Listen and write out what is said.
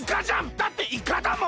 だっていかだもん！